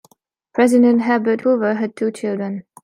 President Herbert Hoover had two children.